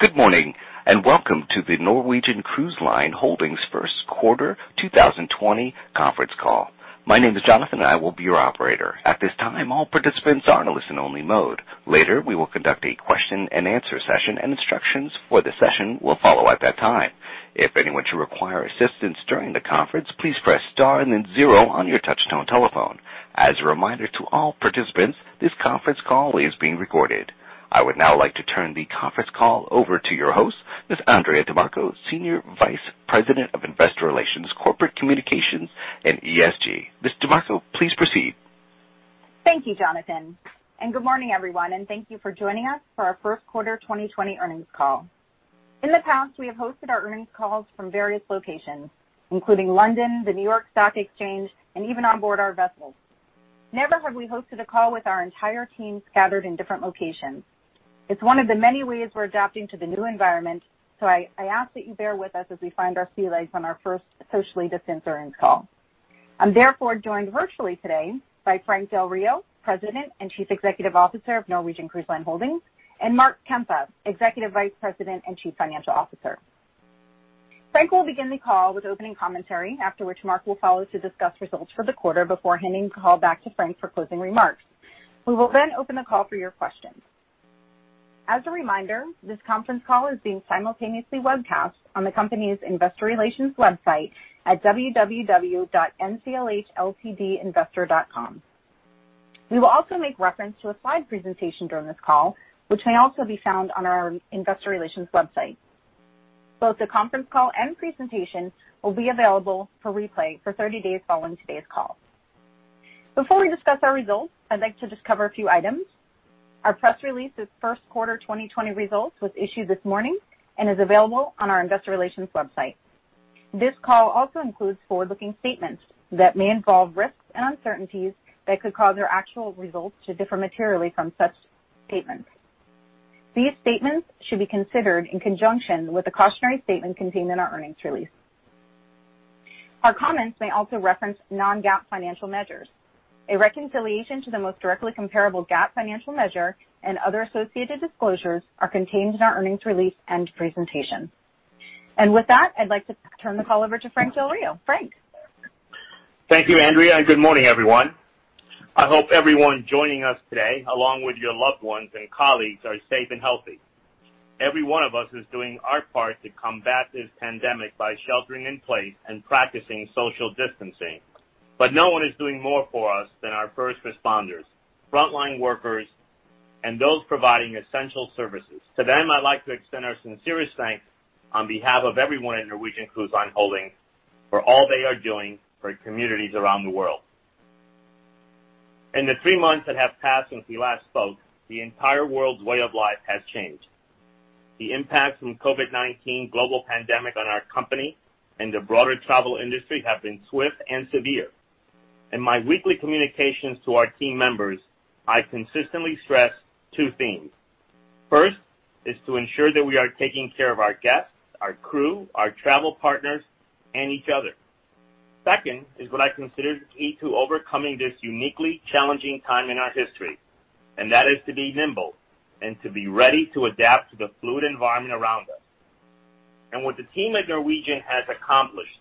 Good morning. Welcome to the Norwegian Cruise Line Holdings first quarter 2020 conference call. My name is Jonathan, and I will be your operator. At this time, all participants are in listen only mode. Later, we will conduct a question and answer session, and instructions for the session will follow at that time. If anyone should require assistance during the conference, please press star and then zero on your touch-tone telephone. As a reminder to all participants, this conference call is being recorded. I would now like to turn the conference call over to your host, Ms. Andrea DeMarco, Senior Vice President of Investor Relations, Corporate Communications, and ESG. Ms. DeMarco, please proceed. Thank you, Jonathan, and good morning, everyone, and thank you for joining us for our first quarter 2020 earnings call. In the past, we have hosted our earnings calls from various locations, including London, the New York Stock Exchange, and even on board our vessels. Never have we hosted a call with our entire team scattered in different locations. It's one of the many ways we're adapting to the new environment. I ask that you bear with us as we find our sea legs on our first socially distanced earnings call. I'm therefore joined virtually today by Frank Del Rio, President and Chief Executive Officer of Norwegian Cruise Line Holdings, and Mark Kempa, Executive Vice President and Chief Financial Officer. Frank will begin the call with opening commentary, after which Mark will follow to discuss results for the quarter before handing the call back to Frank for closing remarks. We will then open the call for your questions. As a reminder, this conference call is being simultaneously webcast on the company's investor relations website at www.nclhltd.com. We will also make reference to a slide presentation during this call, which may also be found on our investor relations website. Both the conference call and presentation will be available for replay for 30 days following today's call. Before we discuss our results, I'd like to just cover a few items. Our press release's first quarter 2020 results was issued this morning and is available on our investor relations website. This call also includes forward-looking statements that may involve risks and uncertainties that could cause our actual results to differ materially from such statements. These statements should be considered in conjunction with the cautionary statement contained in our earnings release. Our comments may also reference non-GAAP financial measures. A reconciliation to the most directly comparable GAAP financial measure and other associated disclosures are contained in our earnings release and presentation. With that, I'd like to turn the call over to Frank Del Rio. Frank? Thank you, Andrea, and good morning, everyone. I hope everyone joining us today, along with your loved ones and colleagues, are safe and healthy. Every one of us is doing our part to combat this pandemic by sheltering in place and practicing social distancing. No one is doing more for us than our first responders, frontline workers, and those providing essential services. To them, I'd like to extend our sincerest thanks on behalf of everyone at Norwegian Cruise Line Holdings for all they are doing for communities around the world. In the three months that have passed since we last spoke, the entire world's way of life has changed. The impact from COVID-19 global pandemic on our company and the broader travel industry have been swift and severe. In my weekly communications to our team members, I consistently stress two themes. First is to ensure that we are taking care of our guests, our crew, our travel partners, and each other. Second is what I consider the key to overcoming this uniquely challenging time in our history, and that is to be nimble and to be ready to adapt to the fluid environment around us. What the team at Norwegian has accomplished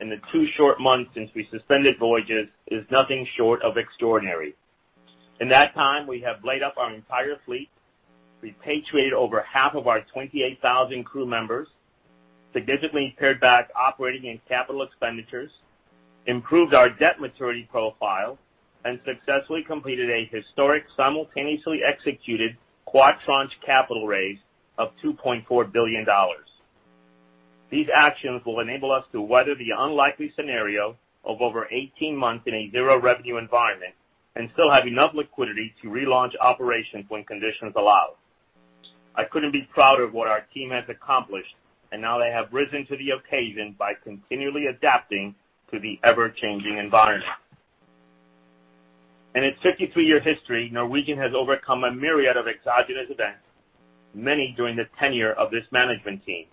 in the two short months since we suspended voyages is nothing short of extraordinary. In that time, we have laid up our entire fleet, repatriated over half of our 28,000 crew members, significantly pared back operating and capital expenditures, improved our debt maturity profile, and successfully completed a historic, simultaneously executed quad tranche capital raise of $2.4 billion. These actions will enable us to weather the unlikely scenario of over 18 months in a zero-revenue environment and still have enough liquidity to relaunch operations when conditions allow. I couldn't be prouder of what our team has accomplished, and now they have risen to the occasion by continually adapting to the ever-changing environment. In its 53-year history, Norwegian has overcome a myriad of exogenous events, many during the tenure of this management team.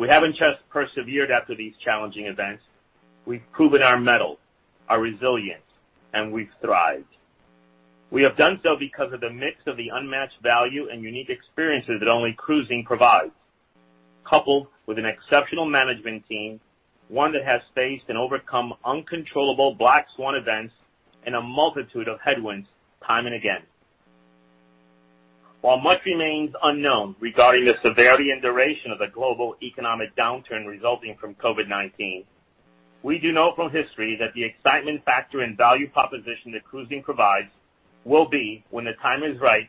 We haven't just persevered after these challenging events. We've proven our mettle, our resilience, and we've thrived. We have done so because of the mix of the unmatched value and unique experiences that only cruising provides, coupled with an exceptional management team, one that has faced and overcome uncontrollable black swan events and a multitude of headwinds time and again. While much remains unknown regarding the severity and duration of the global economic downturn resulting from COVID-19, we do know from history that the excitement factor and value proposition that cruising provides will be, when the time is right,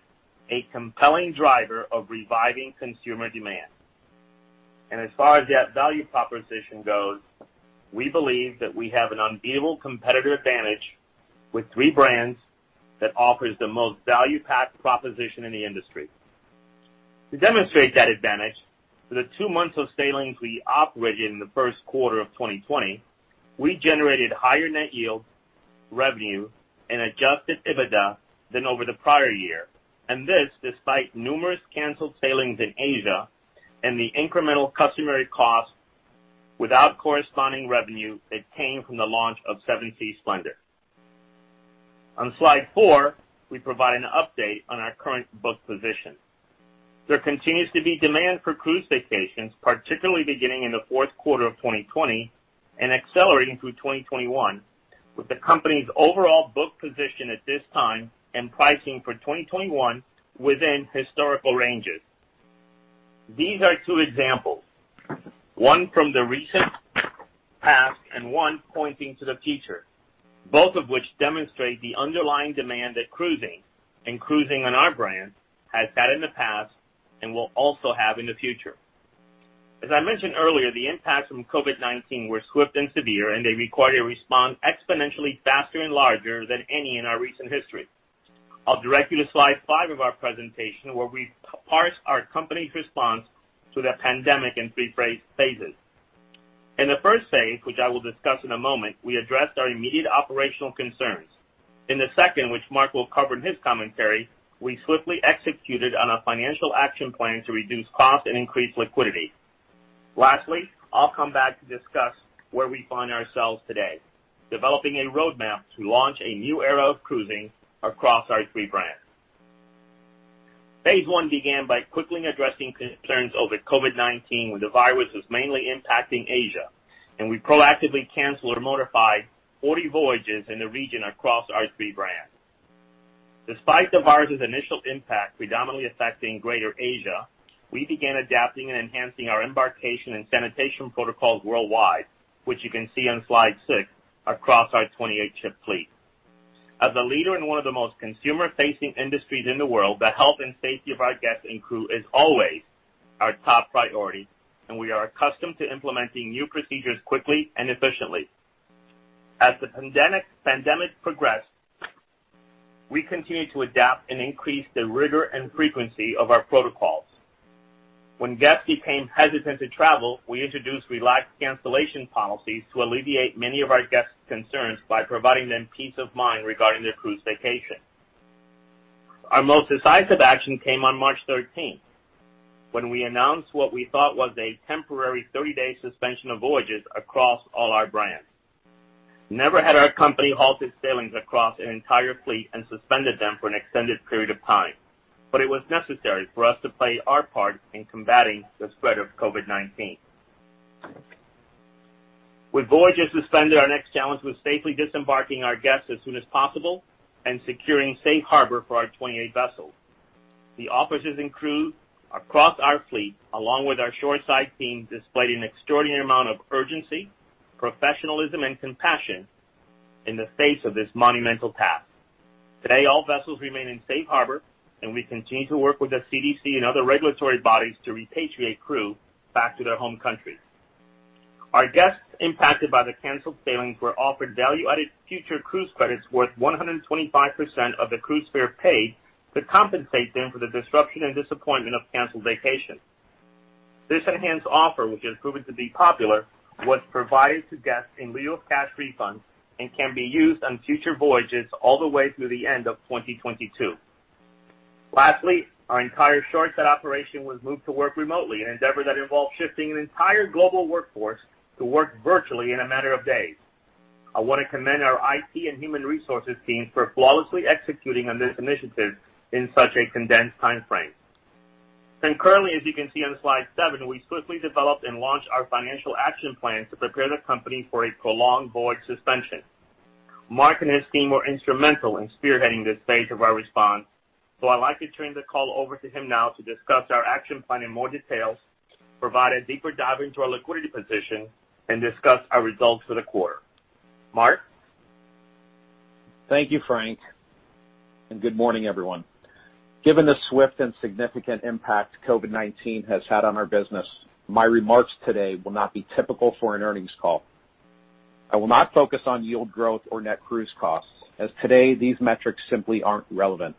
a compelling driver of reviving consumer demand. As far as that value proposition goes, we believe that we have an unbeatable competitive advantage with three brands that offers the most value-packed proposition in the industry. To demonstrate that advantage, for the two months of sailings we operated in the first quarter of 2020, we generated higher net yield, revenue, and adjusted EBITDA than over the prior year. This, despite numerous canceled sailings in Asia and the incremental customary cost without corresponding revenue that came from the launch of Seven Seas Splendor. On slide four, we provide an update on our current book position. There continues to be demand for cruise vacations, particularly beginning in the fourth quarter of 2020 and accelerating through 2021, with the company's overall book position at this time and pricing for 2021 within historical ranges. These are two examples, one from the recent past and one pointing to the future, both of which demonstrate the underlying demand that cruising, and cruising on our brand, has had in the past and will also have in the future. As I mentioned earlier, the impacts from COVID-19 were swift and severe, and they required a response exponentially faster and larger than any in our recent history. I'll direct you to slide five of our presentation, where we parse our company's response to the pandemic in three phases. In the first phase, which I will discuss in a moment, we addressed our immediate operational concerns. In the second, which Mark will cover in his commentary, we swiftly executed on our financial action plan to reduce costs and increase liquidity. Lastly, I'll come back to discuss where we find ourselves today: developing a roadmap to launch a new era of cruising across our three brands. Phase one began by quickly addressing concerns over COVID-19 when the virus was mainly impacting Asia, and we proactively canceled or modified 40 voyages in the region across our three brands. Despite the virus's initial impact predominantly affecting greater Asia, we began adapting and enhancing our embarkation and sanitation protocols worldwide, which you can see on slide six across our 28-ship fleet. As a leader in one of the most consumer-facing industries in the world, the health and safety of our guests and crew is always our top priority, and we are accustomed to implementing new procedures quickly and efficiently. As the pandemic progressed, we continued to adapt and increase the rigor and frequency of our protocols. When guests became hesitant to travel, we introduced relaxed cancellation policies to alleviate many of our guests' concerns by providing them peace of mind regarding their cruise vacation. Our most decisive action came on March 13th, when we announced what we thought was a temporary 30-day suspension of voyages across all our brands. Never had our company halted sailings across an entire fleet and suspended them for an extended period of time. It was necessary for us to play our part in combating the spread of COVID-19. With voyages suspended, our next challenge was safely disembarking our guests as soon as possible and securing safe harbor for our 28 vessels. The officers and crew across our fleet, along with our shoreside team, displayed an extraordinary amount of urgency, professionalism, and compassion in the face of this monumental task. Today, all vessels remain in safe harbor, and we continue to work with the CDC and other regulatory bodies to repatriate crew back to their home countries. Our guests impacted by the canceled sailings were offered value-added future cruise credits worth 125% of the cruise fare paid to compensate them for the disruption and disappointment of canceled vacations. This enhanced offer, which has proven to be popular, was provided to guests in lieu of cash refunds and can be used on future voyages all the way through the end of 2022. Lastly, our entire shoreside operation was moved to work remotely, an endeavor that involved shifting an entire global workforce to work virtually in a matter of days. I want to commend our IT and human resources teams for flawlessly executing on this initiative in such a condensed timeframe. Concurrently, as you can see on slide seven, we swiftly developed and launched our financial action plan to prepare the company for a prolonged voyage suspension. Mark and his team were instrumental in spearheading this phase of our response, so I'd like to turn the call over to him now to discuss our action plan in more details, provide a deeper dive into our liquidity position, and discuss our results for the quarter. Mark? Thank you, Frank, and good morning, everyone. Given the swift and significant impact COVID-19 has had on our business, my remarks today will not be typical for an earnings call. I will not focus on yield growth or net cruise costs, as today these metrics simply aren't relevant.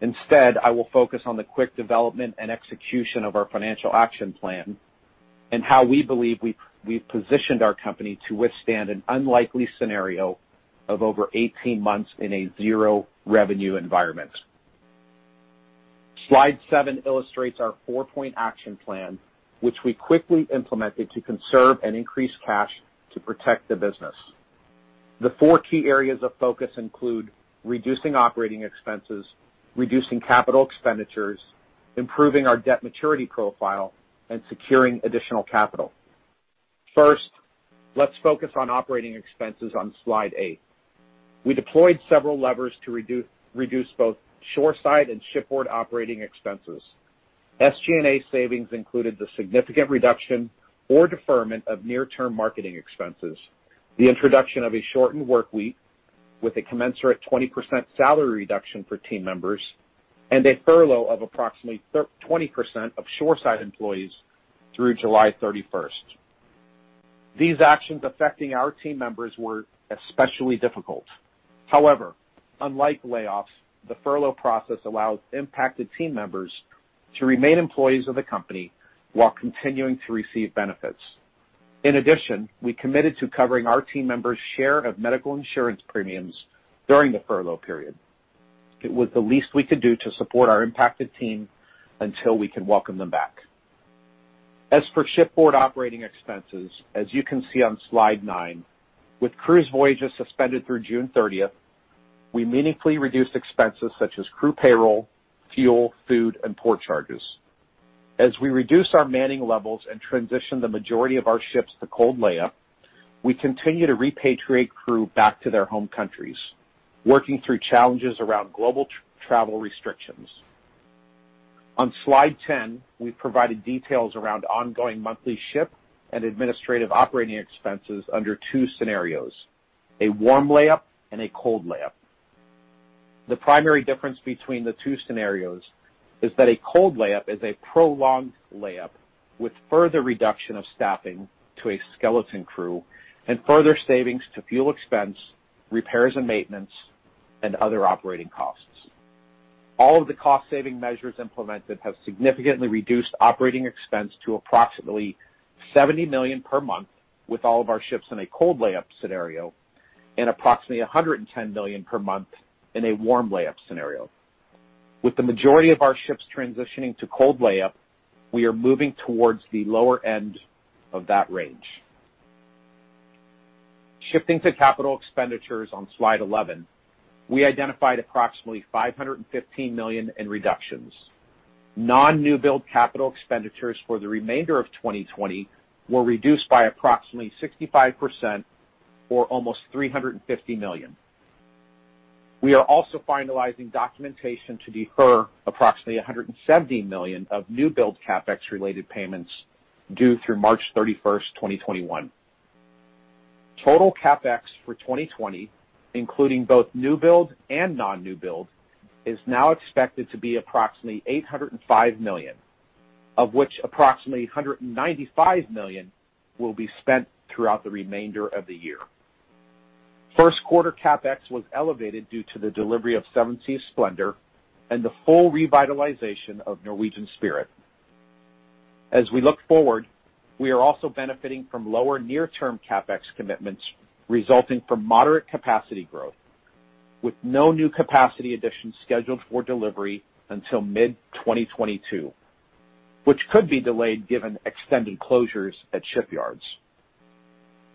Instead, I will focus on the quick development and execution of our financial action plan and how we believe we've positioned our company to withstand an unlikely scenario of over 18 months in a zero-revenue environment. Slide seven illustrates our four-point action plan, which we quickly implemented to conserve and increase cash to protect the business. The four key areas of focus include reducing operating expenses, reducing capital expenditures, improving our debt maturity profile, and securing additional capital. First, let's focus on operating expenses on slide eight. We deployed several levers to reduce both shoreside and shipboard operating expenses. SG&A savings included the significant reduction or deferment of near-term marketing expenses, the introduction of a shortened work week with a commensurate 20% salary reduction for team members, and a furlough of approximately 20% of shoreside employees through July 31st. These actions affecting our team members were especially difficult. However, unlike layoffs, the furlough process allows impacted team members to remain employees of the company while continuing to receive benefits. In addition, we committed to covering our team members' share of medical insurance premiums during the furlough period. It was the least we could do to support our impacted team until we can welcome them back. As for shipboard operating expenses, as you can see on slide nine, with cruise voyages suspended through June 30th, we meaningfully reduced expenses such as crew payroll, fuel, food, and port charges. As we reduce our manning levels and transition the majority of our ships to cold layup, we continue to repatriate crew back to their home countries, working through challenges around global travel restrictions. On slide 10, we've provided details around ongoing monthly ship and administrative operating expenses under two scenarios, a warm layup and a cold layup. The primary difference between the two scenarios is that a cold layup is a prolonged layup with further reduction of staffing to a skeleton crew and further savings to fuel expense, repairs and maintenance, and other operating costs. All of the cost-saving measures implemented have significantly reduced operating expense to approximately $70 million per month, with all of our ships in a cold layup scenario, and approximately $110 million per month in a warm layup scenario. With the majority of our ships transitioning to cold layup, we are moving towards the lower end of that range. Shifting to capital expenditures on Slide 11, we identified approximately $515 million in reductions. Non-new build capital expenditures for the remainder of 2020 were reduced by approximately 65%, or almost $350 million. We are also finalizing documentation to defer approximately $170 million of new build CapEx related payments due through March 31st, 2021. Total CapEx for 2020, including both new build and non-new build, is now expected to be approximately $805 million, of which approximately $195 million will be spent throughout the remainder of the year. First quarter CapEx was elevated due to the delivery of Seven Seas Splendor and the full revitalization of Norwegian Spirit. As we look forward, we are also benefiting from lower near-term CapEx commitments resulting from moderate capacity growth, with no new capacity additions scheduled for delivery until mid-2022, which could be delayed given extended closures at shipyards.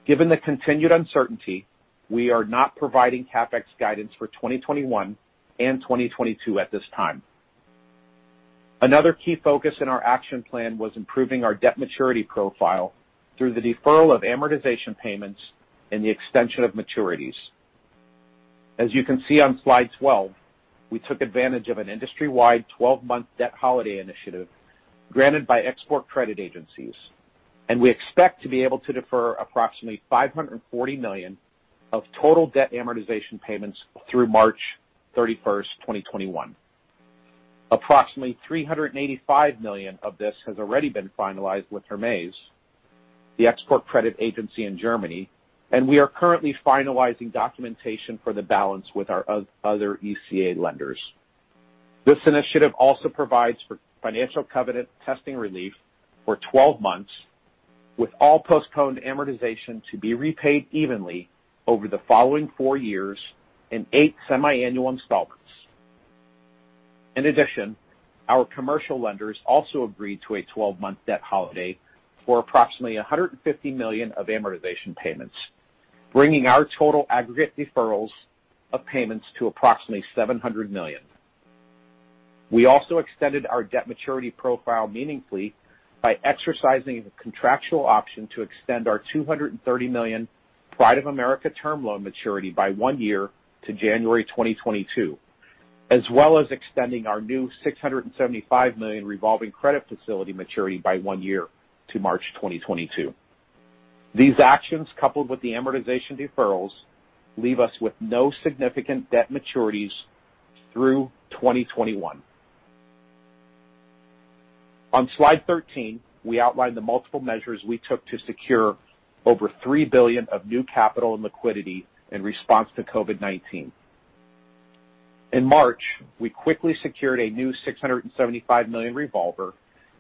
Given the continued uncertainty, we are not providing CapEx guidance for 2021 and 2022 at this time. Another key focus in our action plan was improving our debt maturity profile through the deferral of amortization payments and the extension of maturities. As you can see on Slide 12, we took advantage of an industry-wide 12-month debt holiday initiative granted by export credit agencies. We expect to be able to defer approximately $540 million of total debt amortization payments through March 31st, 2021. Approximately $385 million of this has already been finalized with Hermes, the export credit agency in Germany, and we are currently finalizing documentation for the balance with our other ECA lenders. This initiative also provides for financial covenant testing relief for 12 months, with all postponed amortization to be repaid evenly over the following four years in eight semi-annual installments. In addition, our commercial lenders also agreed to a 12-month debt holiday for approximately $150 million of amortization payments, bringing our total aggregate deferrals of payments to approximately $700 million. We also extended our debt maturity profile meaningfully by exercising the contractual option to extend our $230 million Pride of America term loan maturity by one year to January 2022, as well as extending our new $675 million revolving credit facility maturity by one year to March 2022. These actions, coupled with the amortization deferrals, leave us with no significant debt maturities through 2021. On slide 13, we outlined the multiple measures we took to secure over $3 billion of new capital and liquidity in response to COVID-19. In March, we quickly secured a new $675 million revolver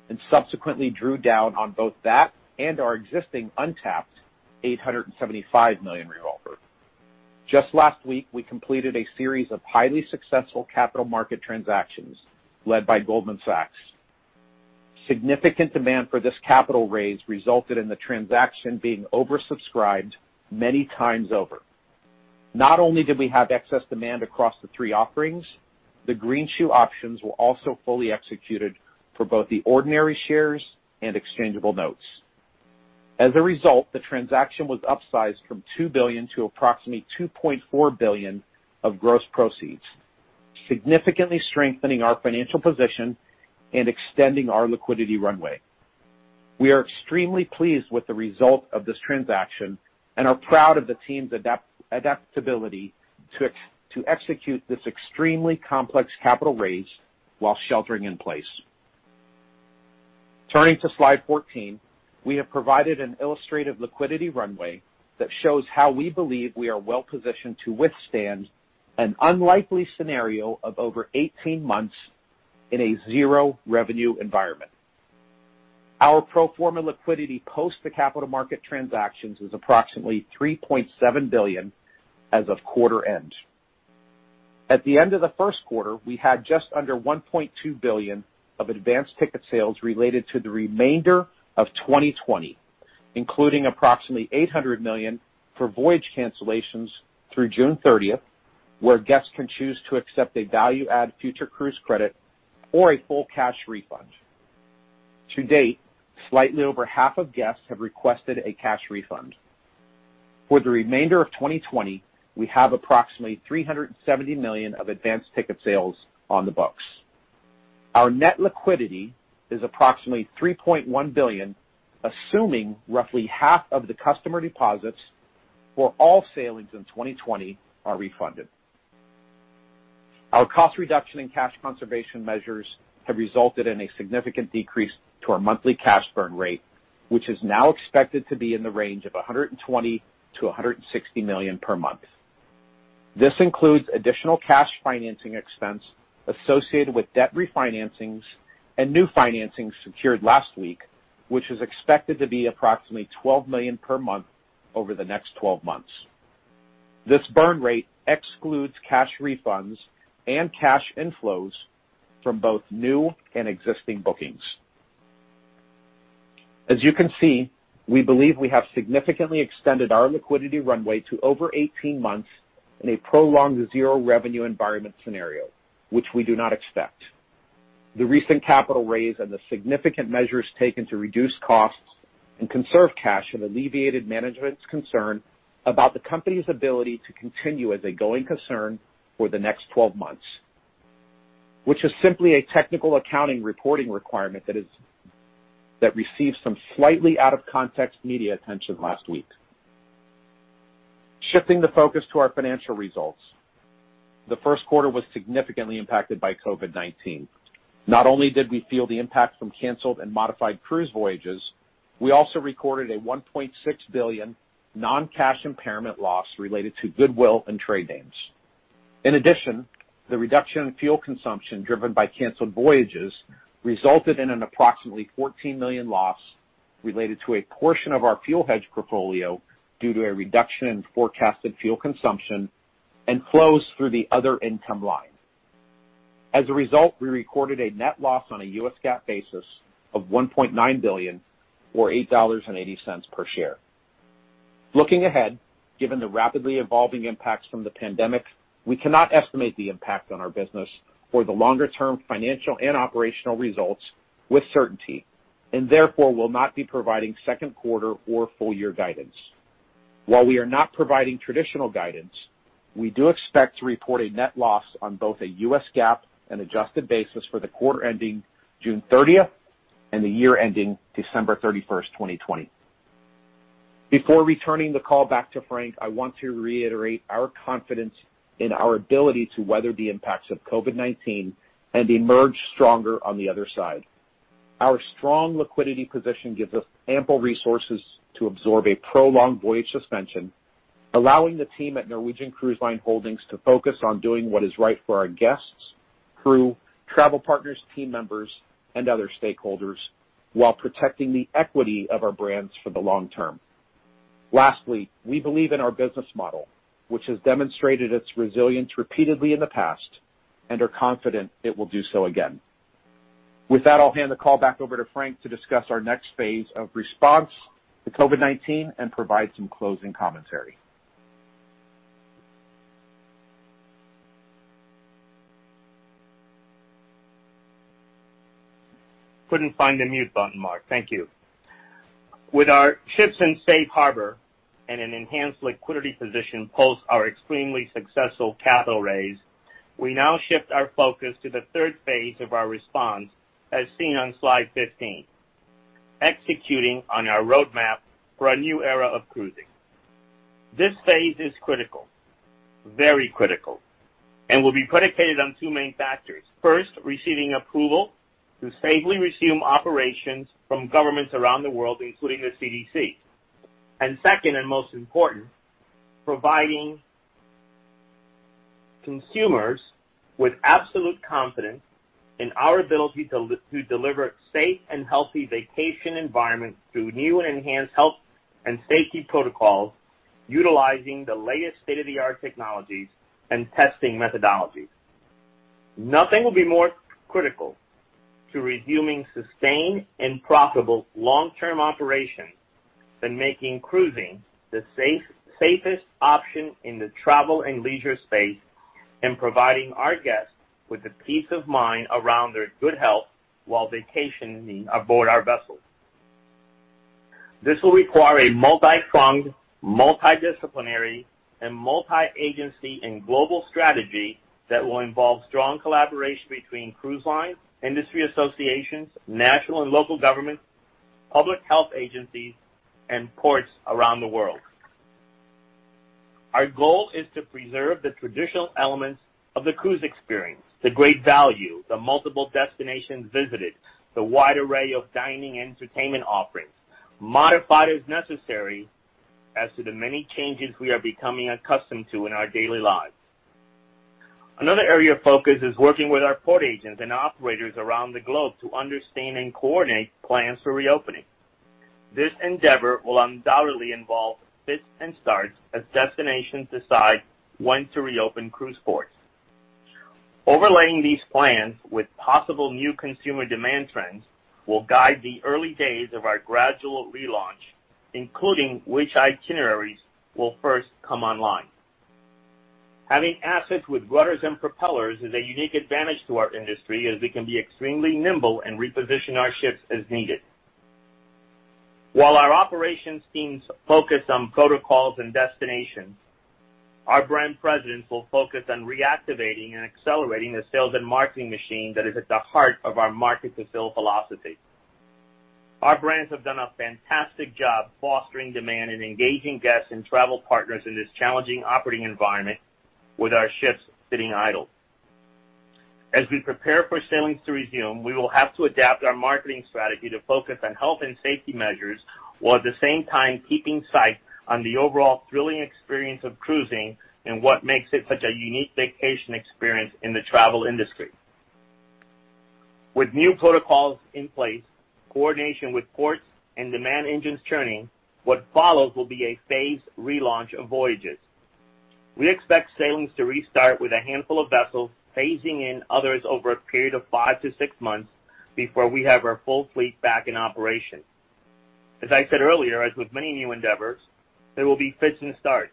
and subsequently drew down on both that and our existing untapped $875 million revolver. Just last week, we completed a series of highly successful capital market transactions led by Goldman Sachs. Significant demand for this capital raise resulted in the transaction being oversubscribed many times over. Not only did we have excess demand across the 3 offerings, the greenshoe options were also fully executed for both the ordinary shares and exchangeable notes. As a result, the transaction was upsized from $2 billion to approximately $2.4 billion of gross proceeds, significantly strengthening our financial position and extending our liquidity runway. We are extremely pleased with the result of this transaction and are proud of the team's adaptability to execute this extremely complex capital raise while sheltering in place. Turning to slide 14, we have provided an illustrative liquidity runway that shows how we believe we are well-positioned to withstand an unlikely scenario of over 18 months in a zero-revenue environment. Our pro forma liquidity post the capital market transactions is approximately $3.7 billion as of quarter end. At the end of the first quarter, we had just under $1.2 billion of advanced ticket sales related to the remainder of 2020, including approximately $800 million for voyage cancellations through June 30th, where guests can choose to accept a value-add future cruise credit or a full cash refund. To date, slightly over half of guests have requested a cash refund. For the remainder of 2020, we have approximately $370 million of advanced ticket sales on the books. Our net liquidity is approximately $3.1 billion, assuming roughly half of the customer deposits for all sailings in 2020 are refunded. Our cost reduction and cash conservation measures have resulted in a significant decrease to our monthly cash burn rate, which is now expected to be in the range of $120 million-$160 million per month. This includes additional cash financing expense associated with debt refinancings and new financings secured last week, which is expected to be approximately $12 million per month over the next 12 months. This burn rate excludes cash refunds and cash inflows from both new and existing bookings. As you can see, we believe we have significantly extended our liquidity runway to over 18 months in a prolonged zero-revenue environment scenario, which we do not expect. The recent capital raise and the significant measures taken to reduce costs and conserve cash have alleviated management's concern about the company's ability to continue as a going concern for the next 12 months, which is simply a technical accounting reporting requirement that received some slightly out-of-context media attention last week. Shifting the focus to our financial results, the first quarter was significantly impacted by COVID-19. Not only did we feel the impact from canceled and modified cruise voyages, we also recorded a $1.6 billion non-cash impairment loss related to goodwill and trade names. In addition, the reduction in fuel consumption driven by canceled voyages resulted in an approximately $14 million loss related to a portion of our fuel hedge portfolio due to a reduction in forecasted fuel consumption and flows through the other income line. As a result, we recorded a net loss on a U.S. GAAP basis of $1.9 billion or $8.80 per share. Looking ahead, given the rapidly evolving impacts from the pandemic, we cannot estimate the impact on our business or the longer-term financial and operational results with certainty, and therefore will not be providing second quarter or full year guidance. While we are not providing traditional guidance, we do expect to report a net loss on both a U.S. GAAP and adjusted basis for the quarter ending June 30th and the year ending December 31st, 2020. Before returning the call back to Frank, I want to reiterate our confidence in our ability to weather the impacts of COVID-19 and emerge stronger on the other side. Our strong liquidity position gives us ample resources to absorb a prolonged voyage suspension, allowing the team at Norwegian Cruise Line Holdings to focus on doing what is right for our guests, crew, travel partners, team members, and other stakeholders while protecting the equity of our brands for the long term. Lastly, we believe in our business model, which has demonstrated its resilience repeatedly in the past and are confident it will do so again. With that, I'll hand the call back over to Frank to discuss our next phase of response to COVID-19 and provide some closing commentary. Couldn't find the mute button, Mark. Thank you. With our ships in safe harbor and an enhanced liquidity position post our extremely successful capital raise, we now shift our focus to the third phase of our response as seen on slide 15, executing on our roadmap for a new era of cruising. This phase is critical, very critical, and will be predicated on two main factors. First, receiving approval to safely resume operations from governments around the world, including the CDC, and second, and most important, providing consumers with absolute confidence in our ability to deliver safe and healthy vacation environments through new and enhanced health and safety protocols utilizing the latest state-of-the-art technologies and testing methodologies. Nothing will be more critical to resuming sustained and profitable long-term operations than making cruising the safest option in the travel and leisure space and providing our guests with the peace of mind around their good health while vacationing aboard our vessels. This will require a multi-pronged, multi-disciplinary, and multi-agency, and global strategy that will involve strong collaboration between cruise lines, industry associations, national and local governments, public health agencies, and ports around the world. Our goal is to preserve the traditional elements of the cruise experience, the great value, the multiple destinations visited, the wide array of dining and entertainment offerings, modified as necessary as to the many changes we are becoming accustomed to in our daily lives. Another area of focus is working with our port agents and operators around the globe to understand and coordinate plans for reopening. This endeavor will undoubtedly involve fits and starts as destinations decide when to reopen cruise ports. Overlaying these plans with possible new consumer demand trends will guide the early days of our gradual relaunch, including which itineraries will first come online. Having assets with rudders and propellers is a unique advantage to our industry, as we can be extremely nimble and reposition our ships as needed. While our operations teams focus on protocols and destinations, our brand presidents will focus on reactivating and accelerating the sales and marketing machine that is at the heart of our market-to-fill philosophy. Our brands have done a fantastic job fostering demand and engaging guests and travel partners in this challenging operating environment with our ships sitting idle. As we prepare for sailings to resume, we will have to adapt our marketing strategy to focus on health and safety measures, while at the same time keeping sight on the overall thrilling experience of cruising and what makes it such a unique vacation experience in the travel industry. With new protocols in place, coordination with ports, and demand engines churning, what follows will be a phased relaunch of voyages. We expect sailings to restart with a handful of vessels, phasing in others over a period of five to six months before we have our full fleet back in operation. As I said earlier, as with many new endeavors, there will be fits and starts.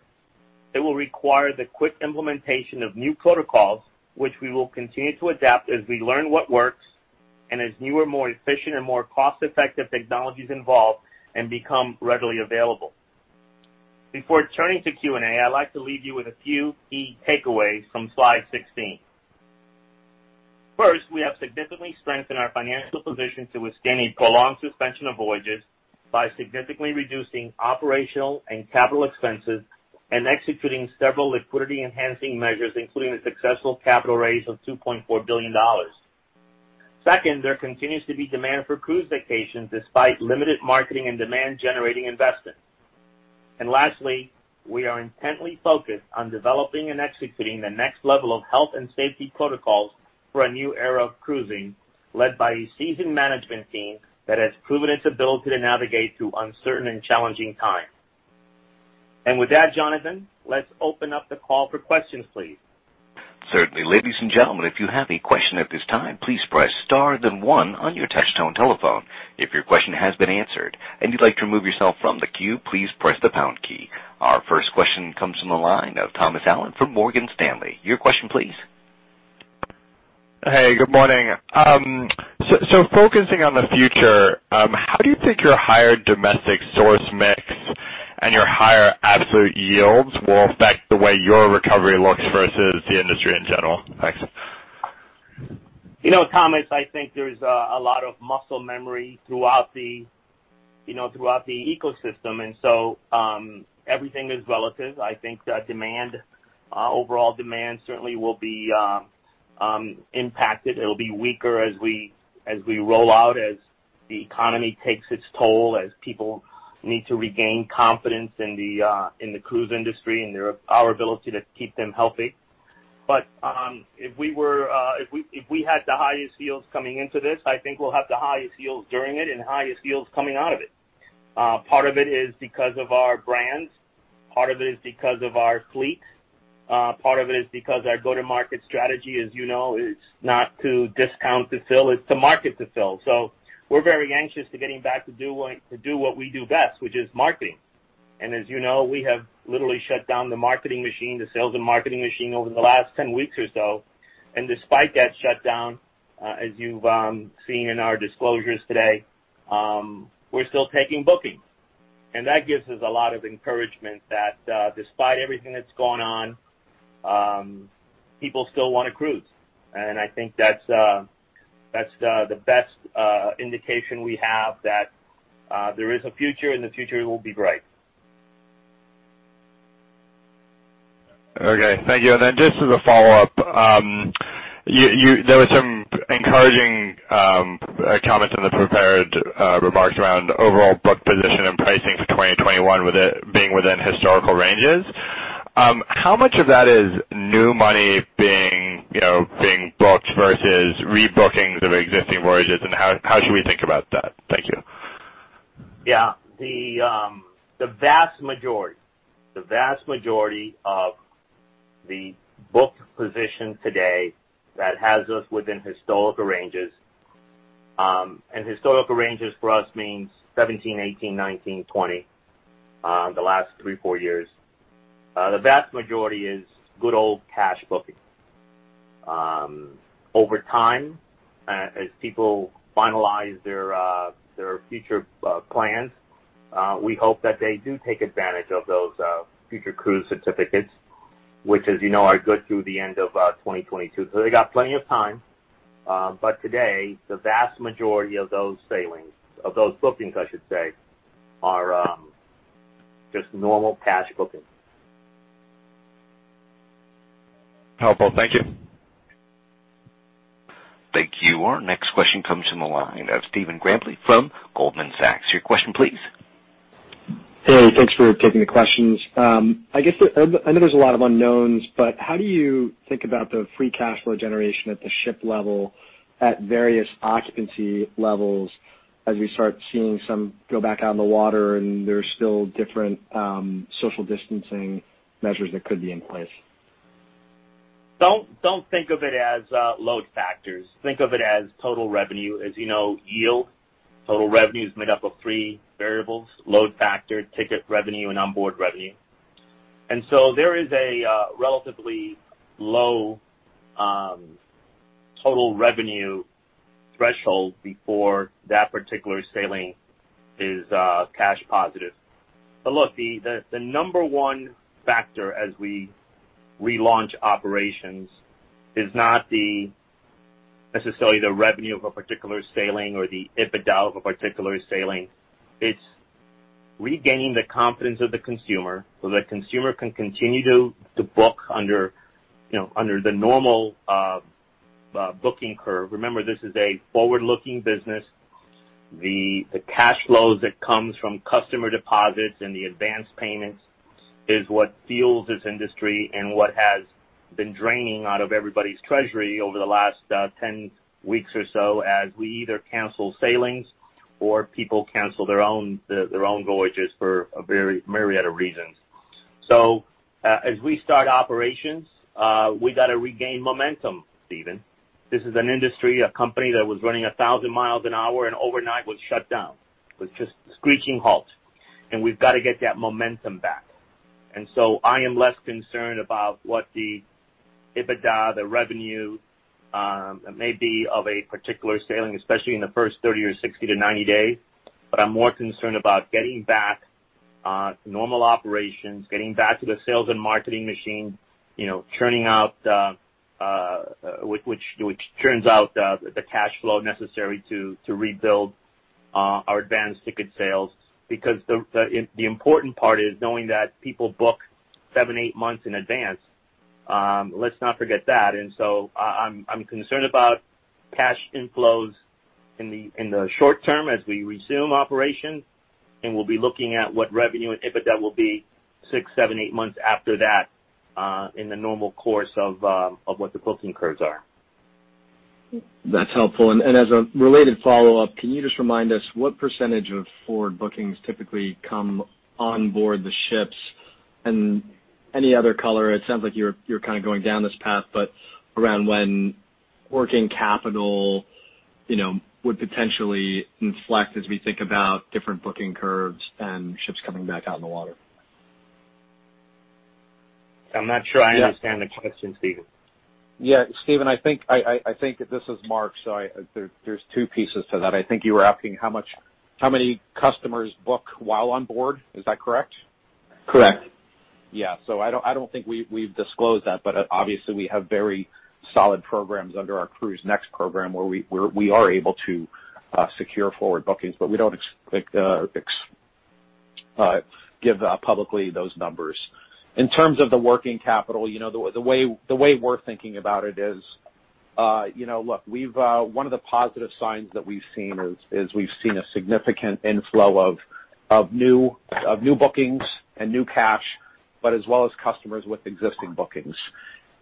It will require the quick implementation of new protocols, which we will continue to adapt as we learn what works, and as newer, more efficient and more cost-effective technologies evolve and become readily available. Before turning to Q&A, I'd like to leave you with a few key takeaways from slide 16. First, we have significantly strengthened our financial position to withstand a prolonged suspension of voyages by significantly reducing operational and capital expenses and executing several liquidity-enhancing measures, including the successful capital raise of $2.4 billion. Second, there continues to be demand for cruise vacations despite limited marketing and demand-generating investments. Lastly, we are intently focused on developing and executing the next level of health and safety protocols for a new era of cruising, led by a seasoned management team that has proven its ability to navigate through uncertain and challenging times. With that, Jonathan, let's open up the call for questions, please. Certainly. Ladies and gentlemen, if you have a question at this time, please press star then one on your touchtone telephone. If your question has been answered and you'd like to remove yourself from the queue, please press the pound key. Our first question comes from the line of Thomas Allen from Morgan Stanley. Your question, please. Hey, good morning. Focusing on the future, how do you think your higher domestic source mix and your higher absolute yields will affect the way your recovery looks versus the industry in general? Thanks. Thomas, I think there's a lot of muscle memory throughout the ecosystem. Everything is relative. I think that overall demand certainly will be impacted. It'll be weaker as we roll out, as the economy takes its toll, as people need to regain confidence in the cruise industry and our ability to keep them healthy. If we had the highest yields coming into this, I think we'll have the highest yields during it and highest yields coming out of it. Part of it is because of our brands. Part of it is because of our fleet. Part of it is because our go-to-market strategy, as you know, is not to discount to fill, it's to market to fill. We're very anxious to getting back to do what we do best, which is marketing. As you know, we have literally shut down the marketing machine, the sales and marketing machine over the last 10 weeks or so. Despite that shutdown, as you've seen in our disclosures today, we're still taking bookings. That gives us a lot of encouragement that despite everything that's gone on, people still want to cruise. I think that's the best indication we have that there is a future, and the future will be bright. Okay. Thank you. Then just as a follow-up, there were some encouraging comments in the prepared remarks around overall book position and pricing for 2021 being within historical ranges. How much of that is new money being booked versus rebookings of existing voyages, and how should we think about that? Thank you. Yeah. The vast majority of the book position today that has us within historical ranges. Historical ranges for us means 2017, 2018, 2019, 2020, the last three, four years. The vast majority is good old cash booking. Over time, as people finalize their future plans, we hope that they do take advantage of those future cruise credits, which, as you know, are good through the end of 2022. They got plenty of time. Today, the vast majority of those sailings, of those bookings, I should say, are just normal cash bookings. Helpful. Thank you. Thank you. Our next question comes from the line of Stephen Grambling from Goldman Sachs. Your question, please. Hey, thanks for taking the questions. I know there's a lot of unknowns, but how do you think about the free cash flow generation at the ship level at various occupancy levels as we start seeing some go back out on the water, and there's still different social distancing measures that could be in place? Don't think of it as load factors. Think of it as total revenue. As you know, yield, total revenue is made up of three variables, load factor, ticket revenue, and onboard revenue. So there is a relatively low total revenue threshold before that particular sailing is cash positive. Look, the number 1 factor as we relaunch operations is not necessarily the revenue of a particular sailing or the EBITDA of a particular sailing. It's regaining the confidence of the consumer so the consumer can continue to book under the normal booking curve. Remember, this is a forward-looking business. The cash flows that comes from customer deposits and the advanced payments is what fuels this industry and what has been draining out of everybody's treasury over the last 10 weeks or so, as we either cancel sailings or people cancel their own voyages for a myriad of reasons. As we start operations, we got to regain momentum, Stephen. This is an industry, a company that was running 1,000 miles an hour and overnight was shut down with just a screeching halt. We've got to get that momentum back. I am less concerned about what the EBITDA, the revenue may be of a particular sailing, especially in the first 30 or 60 to 90 days. I'm more concerned about getting back to normal operations, getting back to the sales and marketing machine, which churns out the cash flow necessary to rebuild our advanced ticket sales. The important part is knowing that people book seven, eight months in advance. Let's not forget that. I'm concerned about cash inflows in the short term as we resume operations, and we'll be looking at what revenue and EBITDA will be six, seven, eight months after that, in the normal course of what the booking curves are. That's helpful. As a related follow-up, can you just remind us what percentage of forward bookings typically come on board the ships? Any other color, it sounds like you're kind of going down this path, but around when working capital would potentially inflect as we think about different booking curves and ships coming back out in the water. I'm not sure I understand the question, Stephen. Yeah, Stephen, I think that this is Mark. There's two pieces to that. I think you were asking how many customers book while on board. Is that correct? Correct. Yeah. I don't think we've disclosed that. Obviously we have very solid programs under our CruiseNext program where we are able to secure forward bookings. We don't give publicly those numbers. In terms of the working capital, the way we're thinking about it is, look, one of the positive signs that we've seen is we've seen a significant inflow of new bookings and new cash. As well as customers with existing bookings.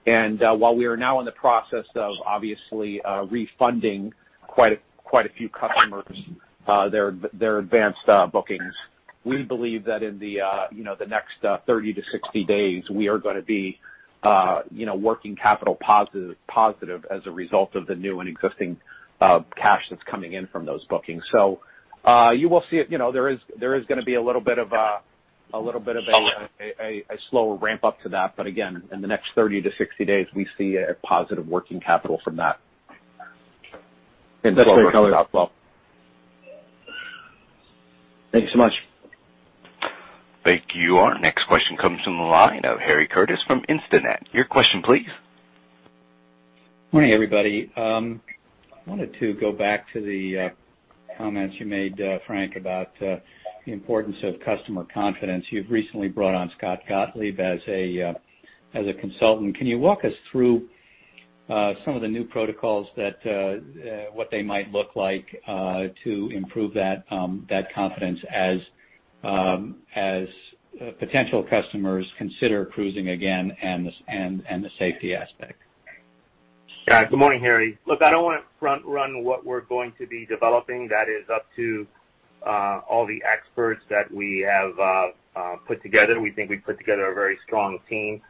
While we are now in the process of obviously refunding quite a few customers their advanced bookings, we believe that in the next 30 to 60 days, we are going to be working capital positive as a result of the new and existing cash that's coming in from those bookings. You will see it. There is going to be a little bit of a slower ramp up to that. Again, in the next 30-60 days, we see a positive working capital from that. That's very clear. And so- Thank you so much. Thank you. Our next question comes from the line of Harry Curtis from Instinet. Your question please. Morning, everybody. I wanted to go back to the comments you made, Frank, about the importance of customer confidence. You've recently brought on Scott Gottlieb as a consultant. Can you walk us through some of the new protocols, what they might look like to improve that confidence as potential customers consider cruising again and the safety aspect? Yeah. Good morning, Harry. Look, I don't want to front-run what we're going to be developing. That is up to all the experts that we have put together. We think we put together a very strong team.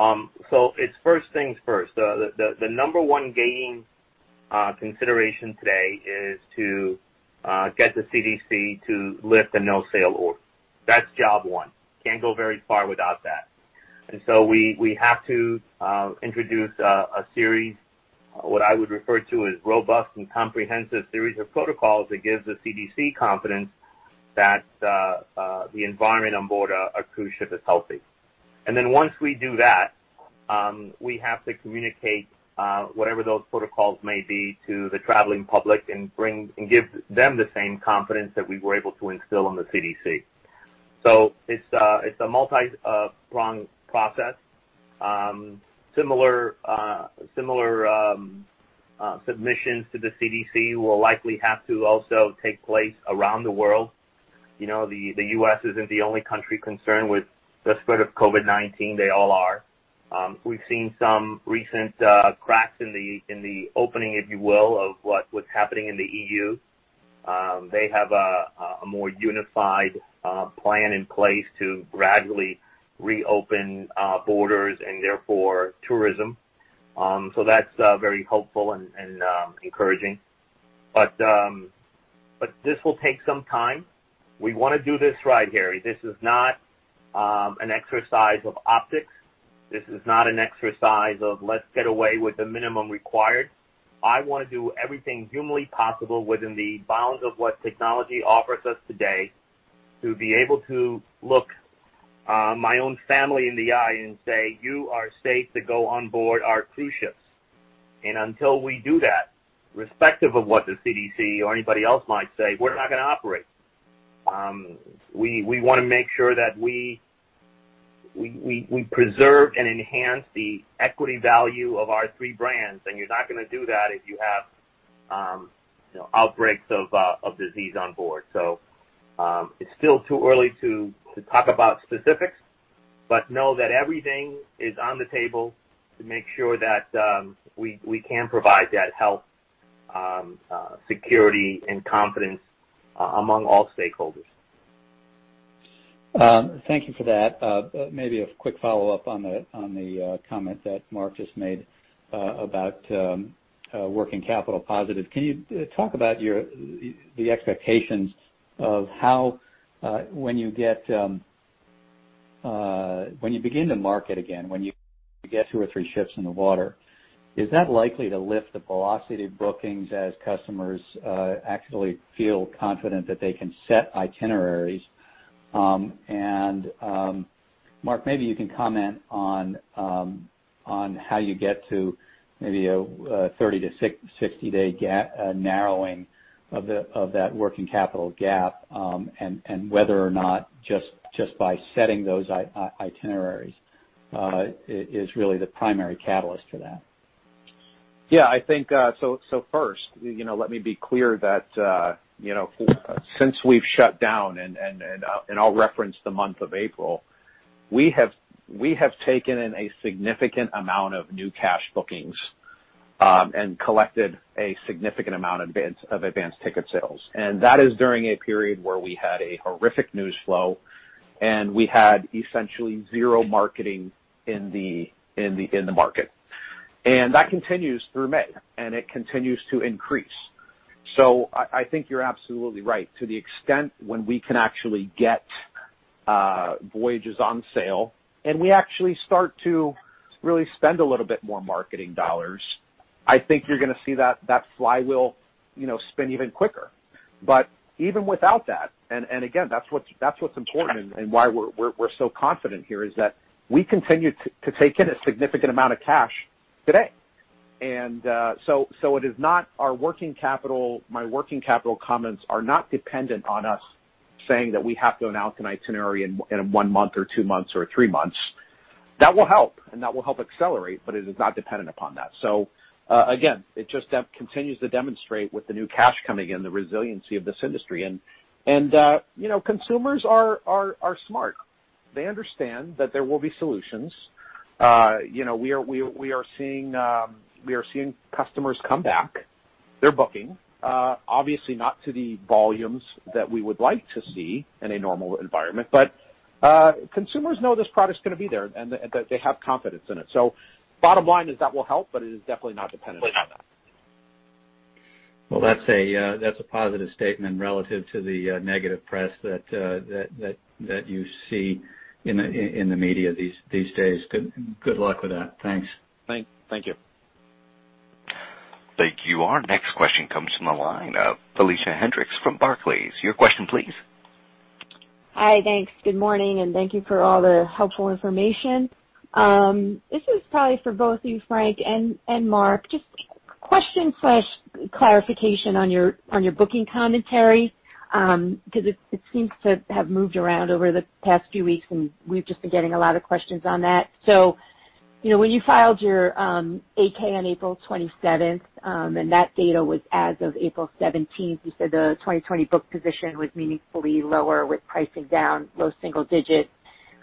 It's first things first. The number one gating consideration today is to get the CDC to lift the No Sail Order. That's job one. Can't go very far without that. We have to introduce a series, what I would refer to as robust and comprehensive series of protocols that gives the CDC confidence that the environment on board a cruise ship is healthy. Once we do that, we have to communicate whatever those protocols may be to the traveling public and give them the same confidence that we were able to instill in the CDC. It's a multi-pronged process. Similar-Submissions to the CDC will likely have to also take place around the world. The U.S. isn't the only country concerned with the spread of COVID-19. They all are. We've seen some recent cracks in the opening, if you will, of what's happening in the EU. They have a more unified plan in place to gradually reopen borders and therefore tourism. That's very hopeful and encouraging. This will take some time. We want to do this right, Harry. This is not an exercise of optics. This is not an exercise of let's get away with the minimum required. I want to do everything humanly possible within the bounds of what technology offers us today to be able to look my own family in the eye and say, "You are safe to go on board our cruise ships." Until we do that, respective of what the CDC or anybody else might say, we're not going to operate. We want to make sure that we preserve and enhance the equity value of our three brands, and you're not going to do that if you have outbreaks of disease on board. It's still too early to talk about specifics, but know that everything is on the table to make sure that we can provide that health security and confidence among all stakeholders. Thank you for that. Maybe a quick follow-up on the comment that Mark just made about working capital positive. Can you talk about the expectations of when you begin to market again, when you get two or three ships in the water, is that likely to lift the velocity of bookings as customers actually feel confident that they can set itineraries? Mark, maybe you can comment on how you get to maybe a 30- to 60-day narrowing of that working capital gap, and whether or not just by setting those itineraries is really the primary catalyst for that. First, let me be clear that since we've shut down, and I'll reference the month of April, we have taken in a significant amount of new cash bookings and collected a significant amount of advanced ticket sales. That is during a period where we had a horrific news flow, and we had essentially zero marketing in the market. That continues through May, and it continues to increase. I think you're absolutely right. To the extent when we can actually get voyages on sale, and we actually start to really spend a little bit more marketing dollars, I think you're going to see that flywheel spin even quicker. Even without that, and again, that's what's important and why we're so confident here is that we continue to take in a significant amount of cash today. My working capital comments are not dependent on us saying that we have to announce an itinerary in one month or two months or three months. That will help, and that will help accelerate, but it is not dependent upon that. Again, it just continues to demonstrate with the new cash coming in, the resiliency of this industry. Consumers are smart. They understand that there will be solutions. We are seeing customers come back. They're booking. Obviously not to the volumes that we would like to see in a normal environment, but consumers know this product is going to be there, and they have confidence in it. Bottom line is that will help, but it is definitely not dependent on that. Well, that's a positive statement relative to the negative press that you see in the media these days. Good luck with that. Thanks. Thank you. Thank you. Our next question comes from the line of Felicia Hendrix from Barclays. Your question, please. Hi. Thanks. Good morning, and thank you for all the helpful information. This is probably for both of you, Frank and Mark. Just question/clarification on your booking commentary, because it seems to have moved around over the past few weeks, and we've just been getting a lot of questions on that. When you filed your 8-K on April 27, and that data was as of April 17, you said the 2020 book position was meaningfully lower with pricing down low single digits.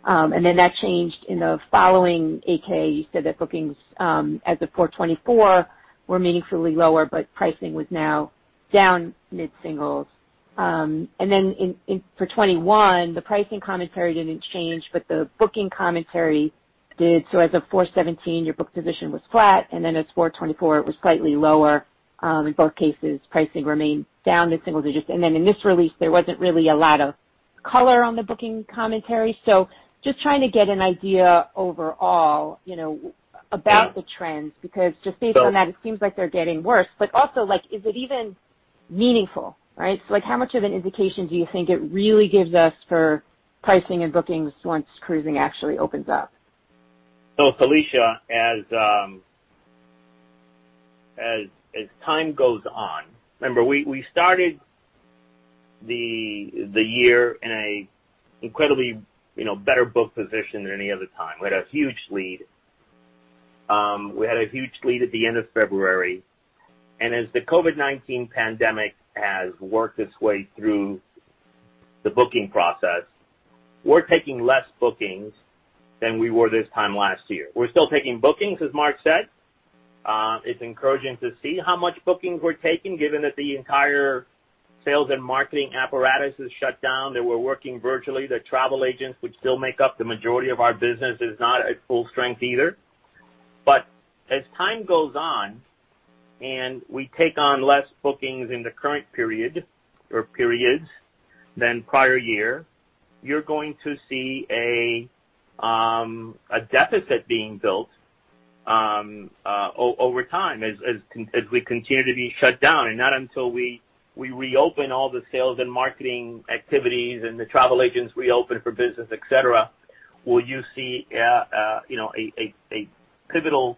That changed in the following 8-K. You said that bookings as of 4/24 were meaningfully lower, but pricing was now down mid-singles. For 2021, the pricing commentary didn't change, but the booking commentary did. As of 4/17, your book position was flat, and then as 4/24, it was slightly lower. In both cases, pricing remained down to single digits. In this release, there wasn't really a lot of color on the booking commentary. Just trying to get an idea overall about the trends, because just based on that, it seems like they're getting worse. Also, is it even meaningful, right? How much of an indication do you think it really gives us for pricing and bookings once cruising actually opens up? Felicia, remember we started the year in an incredibly better book position than any other time. We had a huge lead at the end of February, as the COVID-19 pandemic has worked its way through the booking process, we're taking less bookings than we were this time last year. We're still taking bookings, as Mark said. It's encouraging to see how much bookings we're taking, given that the entire sales and marketing apparatus is shut down, that we're working virtually. The travel agents, which still make up the majority of our business, is not at full strength either. As time goes on and we take on less bookings in the current period or periods than prior year, you're going to see a deficit being built over time as we continue to be shut down. Not until we reopen all the sales and marketing activities and the travel agents reopen for business, et cetera, will you see a pivotal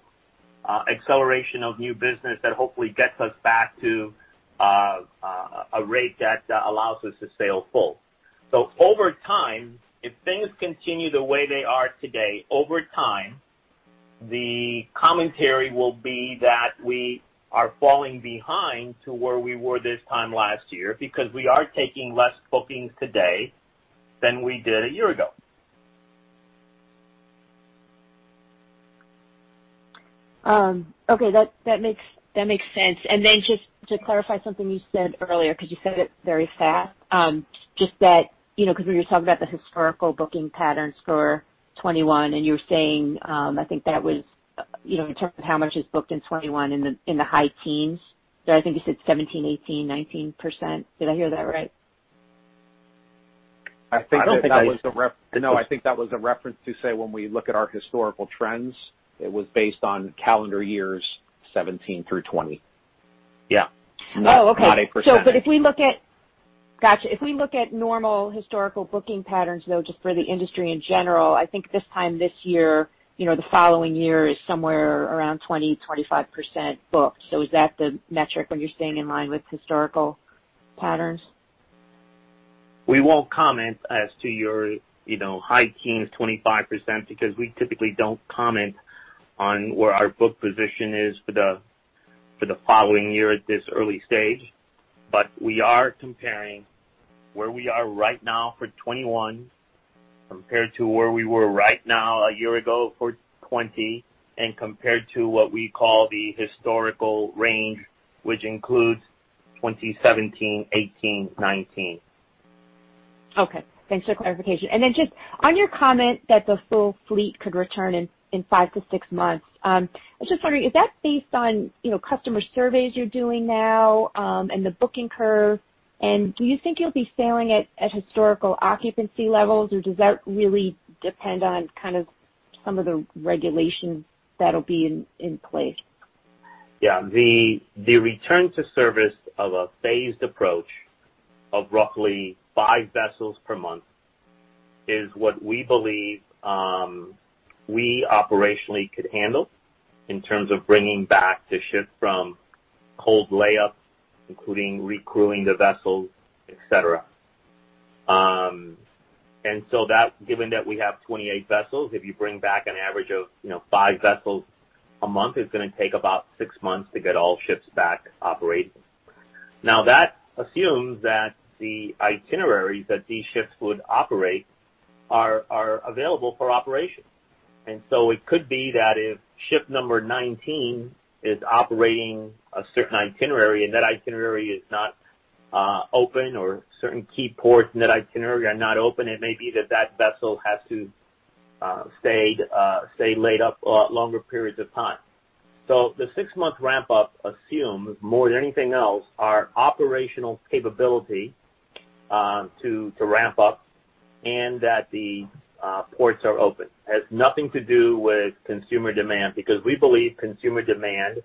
acceleration of new business that hopefully gets us back to a rate that allows us to sail full. Over time, if things continue the way they are today, over time, the commentary will be that we are falling behind to where we were this time last year because we are taking less bookings today than we did a year ago. Okay. That makes sense. Just to clarify something you said earlier, because you said it very fast, just that, because when you were talking about the historical booking patterns for 2021, and you were saying, I think that was in terms of how much is booked in 2021 in the high teens. Did I think you said 17%, 18%, 19%? Did I hear that right? I think that- I don't think I. No, I think that was a reference to say when we look at our historical trends, it was based on calendar years 2017-2020. Yeah. Oh, okay. Not a percentage. Got you. If we look at normal historical booking patterns, though, just for the industry in general, I think this time this year, the following year is somewhere around 20%-25% booked. Is that the metric when you're staying in line with historical patterns? We won't comment as to your high teens, 25%, because we typically don't comment on where our book position is for the following year at this early stage. We are comparing where we are right now for 2021 compared to where we were right now a year ago for 2020, and compared to what we call the historical range, which includes 2017, 2018, 2019. Okay, thanks for the clarification. Just on your comment that the full fleet could return in five to six months, I was just wondering, is that based on customer surveys you're doing now, and the booking curve, and do you think you'll be sailing at historical occupancy levels, or does that really depend on kind of some of the regulations that'll be in place? Yeah. The return to service of a phased approach of roughly five vessels per month is what we believe we operationally could handle in terms of bringing back the ship from cold layups, including recrewing the vessels, et cetera. Given that we have 28 vessels, if you bring back an average of five vessels a month, it's going to take about six months to get all ships back operating. Now, that assumes that the itineraries that these ships would operate are available for operation. It could be that if ship number 19 is operating a certain itinerary and that itinerary is not open or certain key ports in that itinerary are not open, it may be that that vessel has to stay laid up longer periods of time. The six-month ramp-up assumes, more than anything else, our operational capability to ramp up and that the ports are open. It has nothing to do with consumer demand because we believe consumer demand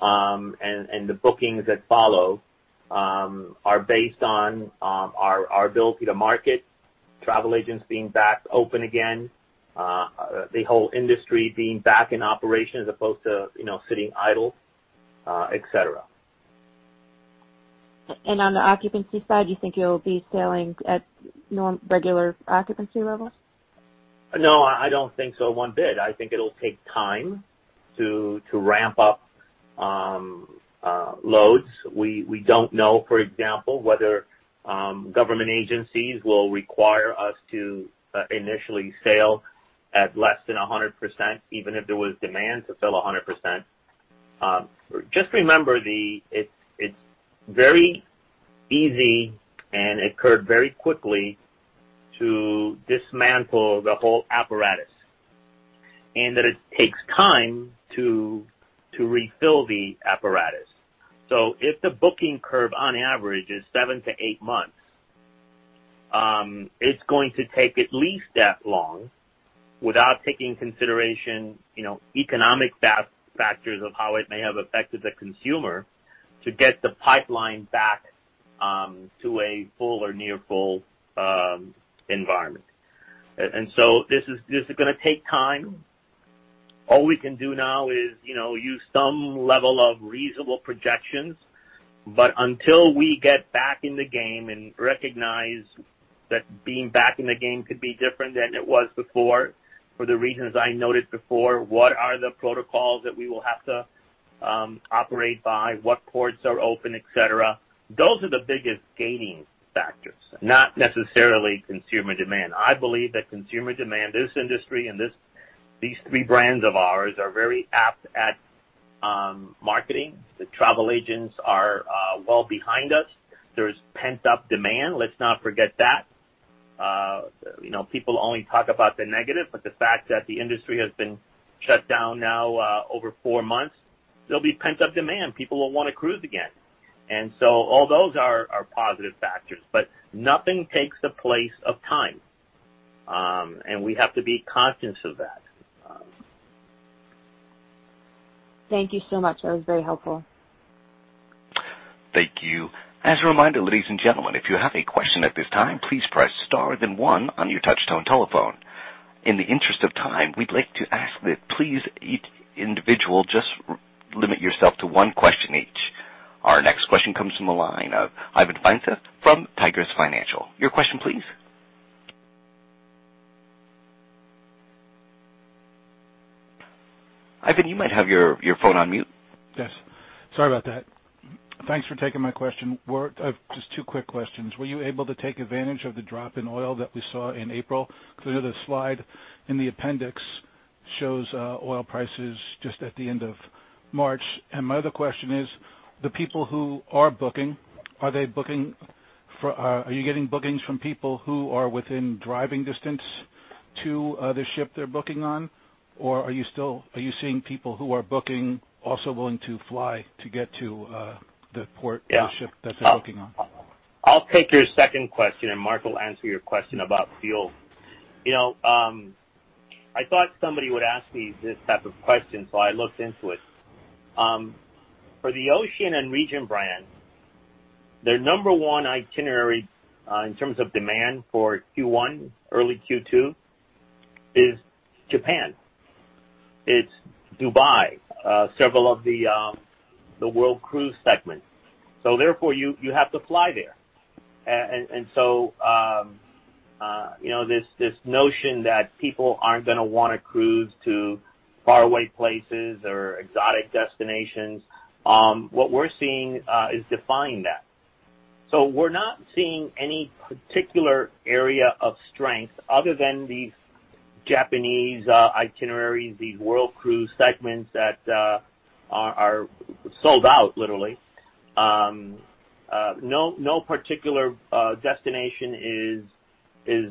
and the bookings that follow are based on our ability to market, travel agents being back open again, the whole industry being back in operation as opposed to sitting idle, et cetera. On the occupancy side, you think you'll be sailing at regular occupancy levels? No, I don't think so one bit. I think it'll take time to ramp up loads. We don't know, for example, whether government agencies will require us to initially sail at less than 100%, even if there was demand to fill 100%. Just remember, it's very easy and occurred very quickly to dismantle the whole apparatus, and that it takes time to refill the apparatus. If the booking curve on average is seven to eight months, it's going to take at least that long without taking consideration economic factors of how it may have affected the consumer to get the pipeline back to a full or near full environment. This is going to take time. All we can do now is use some level of reasonable projections, but until we get back in the game and recognize that being back in the game could be different than it was before, for the reasons I noted before, what are the protocols that we will have to operate by? What ports are open, et cetera? Those are the biggest gating factors, not necessarily consumer demand. I believe that consumer demand, this industry, and these three brands of ours are very apt at marketing. The travel agents are well behind us. There's pent-up demand. Let's not forget that. People only talk about the negative, but the fact that the industry has been shut down now over four months, there'll be pent-up demand. People will want to cruise again. All those are positive factors. Nothing takes the place of time. We have to be conscious of that. Thank you so much. That was very helpful. Thank you. As a reminder, ladies and gentlemen, if you have a question at this time, please press star then one on your touch-tone telephone. In the interest of time, we'd like to ask that please, each individual, just limit yourself to one question each. Our next question comes from the line of Ivan Feinseth from Tigress Financial. Your question, please. Ivan, you might have your phone on mute. Yes. Sorry about that. Thanks for taking my question. Just two quick questions. Were you able to take advantage of the drop in oil that we saw in April? I know the slide in the appendix shows oil prices just at the end of March. My other question is, the people who are booking, are you getting bookings from people who are within driving distance to the ship they're booking on? Or are you seeing people who are booking, also willing to fly to get to the port or ship that they're booking on? I'll take your second question, and Mark will answer your question about fuel. I thought somebody would ask me this type of question. I looked into it. For the Oceania and Regent brand, their number 1 itinerary, in terms of demand for Q1, early Q2, is Japan. It's Dubai, several of the world cruise segments. Therefore, you have to fly there. This notion that people aren't going to want to cruise to faraway places or exotic destinations, what we're seeing is defying that. We're not seeing any particular area of strength other than these Japanese itineraries, these world cruise segments that are sold out, literally. No particular destination is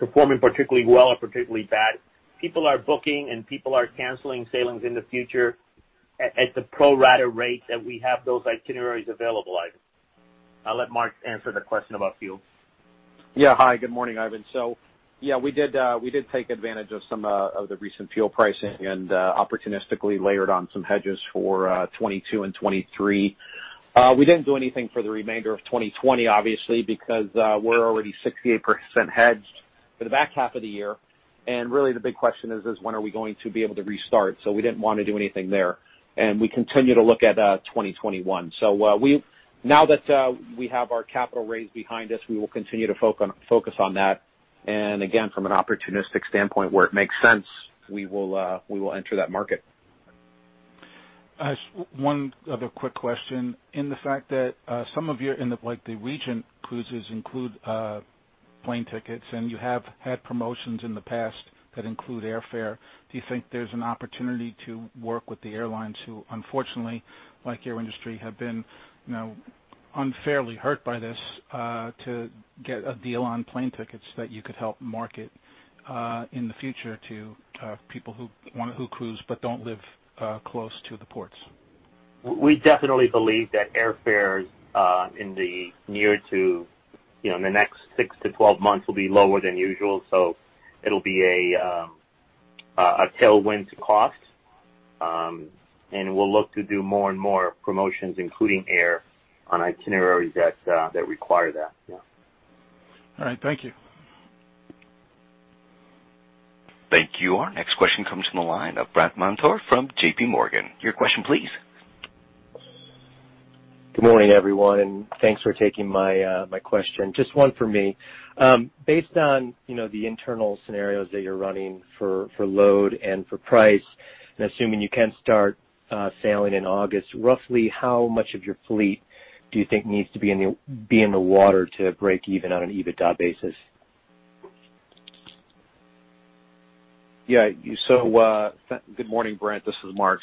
performing particularly well or particularly bad. People are booking, and people are canceling sailings in the future at the pro rata rates that we have those itineraries available, Ivan. I'll let Mark answer the question about fuel. Hi, good morning, Ivan. Yeah, we did take advantage of some of the recent fuel pricing and opportunistically layered on some hedges for 2022 and 2023. We didn't do anything for the remainder of 2020, obviously, because we're already 68% hedged for the back half of the year. Really, the big question is, when are we going to be able to restart? We didn't want to do anything there. We continue to look at 2021. Now that we have our capital raise behind us, we will continue to focus on that. Again, from an opportunistic standpoint, where it makes sense, we will enter that market. One other quick question. In the fact that some of your, like the Regent cruises include plane tickets, and you have had promotions in the past that include airfare. Do you think there's an opportunity to work with the airlines who, unfortunately, like your industry, have been unfairly hurt by this, to get a deal on plane tickets that you could help market in the future to people who want to cruise but don't live close to the ports? We definitely believe that airfares in the next six to 12 months will be lower than usual, so it'll be a tailwind to cost. We'll look to do more and more promotions, including air, on itineraries that require that. Yeah. All right. Thank you. Thank you. Our next question comes from the line of Brandt Montour from JPMorgan. Your question, please. Good morning, everyone, thanks for taking my question. Just one for me. Based on the internal scenarios that you're running for load and for price, and assuming you can start sailing in August, roughly how much of your fleet do you think needs to be in the water to break even on an EBITDA basis? Good morning, Brandt. This is Mark.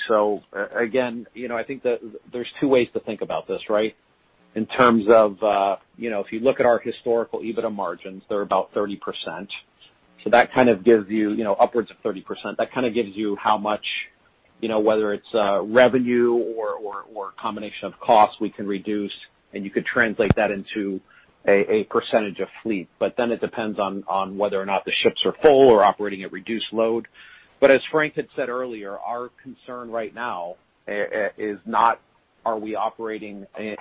Again, I think that there's two ways to think about this, right? In terms of if you look at our historical EBITDA margins, they're about 30%. That kind of gives you upwards of 30%. That kind of gives you how much, whether it's revenue or a combination of costs we can reduce, and you could translate that into a percentage of fleet. It depends on whether or not the ships are full or operating at reduced load. As Frank had said earlier, our concern right now is not are we operating in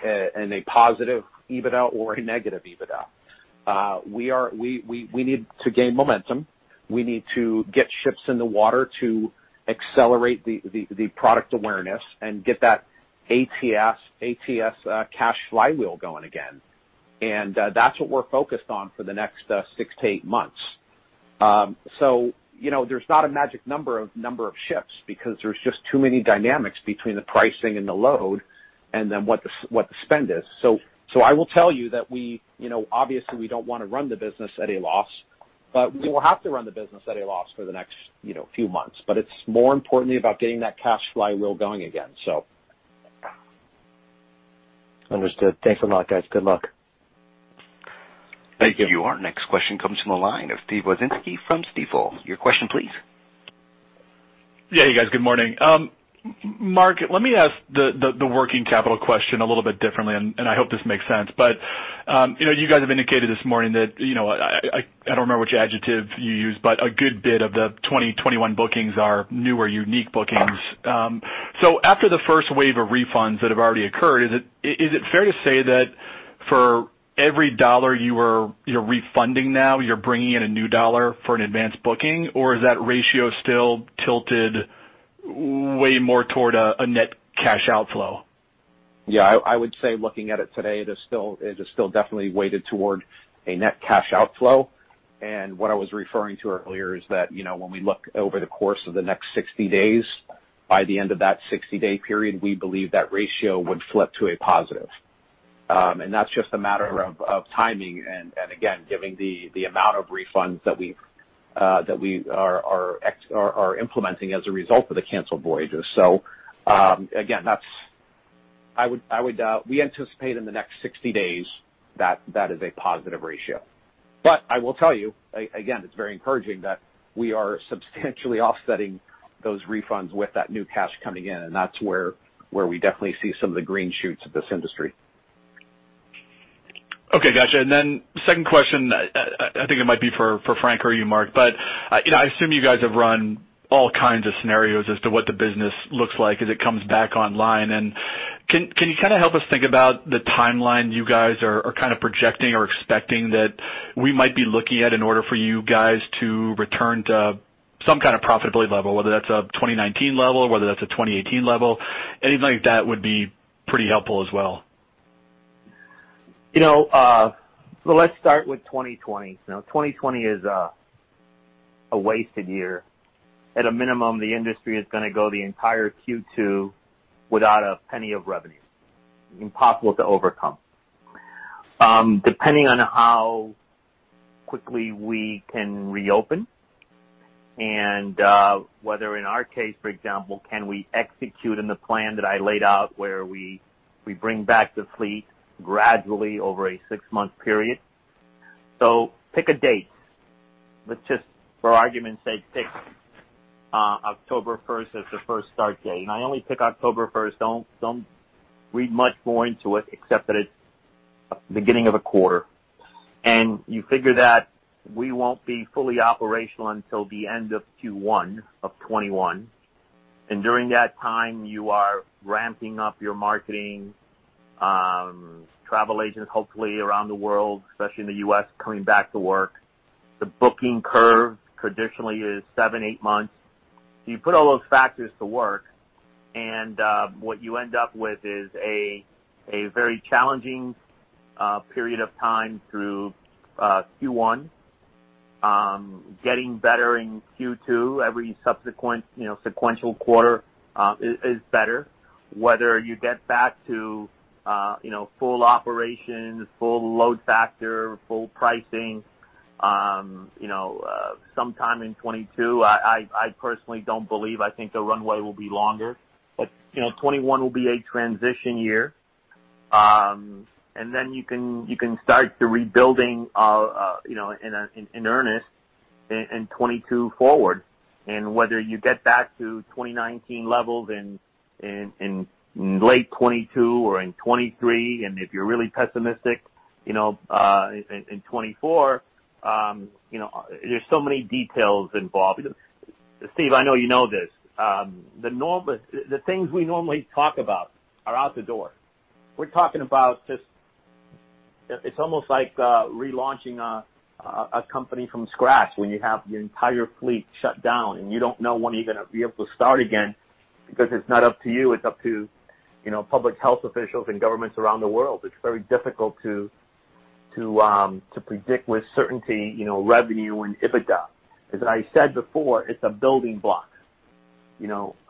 a positive EBITDA or a negative EBITDA? We need to gain momentum. We need to get ships in the water to accelerate the product awareness and get that ATS cash flywheel going again. That's what we're focused on for the next six to eight months. There's not a magic number of ships because there's just too many dynamics between the pricing and the load and then what the spend is. I will tell you that obviously, we don't want to run the business at a loss, but we will have to run the business at a loss for the next few months. It's more importantly about getting that cash flywheel going again. Understood. Thanks a lot, guys. Good luck. Thank you. Your next question comes from the line of Steve Wieczynski from Stifel. Your question, please. Yeah, you guys. Good morning. Mark, let me ask the working capital question a little bit differently, and I hope this makes sense. You guys have indicated this morning that, I don't remember which adjective you used, but a good bit of the 2021 bookings are new or unique bookings. After the first wave of refunds that have already occurred, is it fair to say that for every $ you're refunding now, you're bringing in a new $ for an advanced booking? Is that ratio still tilted way more toward a net cash outflow? I would say looking at it today, it's still definitely weighted toward a net cash outflow. What I was referring to earlier is that, when we look over the course of the next 60 days, by the end of that 60-day period, we believe that ratio would flip to a positive. That's just a matter of timing, and again, given the amount of refunds that we are implementing as a result of the canceled voyages. Again, we anticipate in the next 60 days that's a positive ratio. I will tell you, again, it's very encouraging that we are substantially offsetting those refunds with that new cash coming in, and that's where we definitely see some of the green shoots of this industry. Okay, got you. Second question, I think it might be for Frank or you, Mark, I assume you guys have run all kinds of scenarios as to what the business looks like as it comes back online. Can you help us think about the timeline you guys are projecting or expecting that we might be looking at in order for you guys to return to some kind of profitability level, whether that's a 2019 level, whether that's a 2018 level? Anything like that would be pretty helpful as well. Let's start with 2020. 2020 is a wasted year. At a minimum, the industry is going to go the entire Q2 without a penny of revenue. Impossible to overcome. Depending on how quickly we can reopen and, whether in our case, for example, can we execute in the plan that I laid out where we bring back the fleet gradually over a six-month period? Pick a date. Let's just, for argument's sake, pick October 1st as the first start date. I only pick October 1st, don't read much more into it, except that it's beginning of a quarter. You figure that we won't be fully operational until the end of Q1 of 2021. During that time, you are ramping up your marketing, travel agents, hopefully around the world, especially in the U.S., coming back to work. The booking curve traditionally is seven, eight months. You put all those factors to work, and what you end up with is a very challenging period of time through Q1, getting better in Q2. Every subsequent sequential quarter is better, whether you get back to full operations, full load factor, full pricing, sometime in 2022. I personally don't believe. I think the runway will be longer. 2021 will be a transition year. You can start the rebuilding in earnest in 2022 forward. Whether you get back to 2019 levels in late 2022 or in 2023, and if you're really pessimistic, in 2024, there's so many details involved. Steve, I know you know this. The things we normally talk about are out the door. It's almost like relaunching a company from scratch when you have your entire fleet shut down, and you don't know when you're going to be able to start again because it's not up to you. It's up to public health officials and governments around the world. It's very difficult to predict with certainty revenue and EBITDA. As I said before, it's a building block. The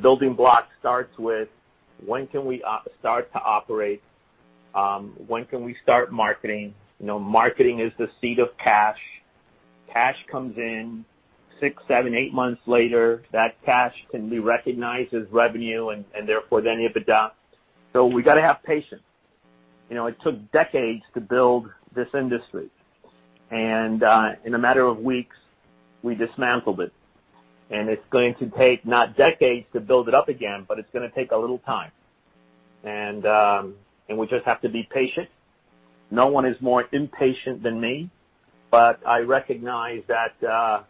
building block starts with when can we start to operate? When can we start marketing? Marketing is the seed of cash. Cash comes in six, seven, eight months later. That cash can be recognized as revenue and therefore then EBITDA. We got to have patience. It took decades to build this industry. In a matter of weeks, we dismantled it. It's going to take not decades to build it up again, but it's going to take a little time. We just have to be patient. No one is more impatient than me, but I recognize that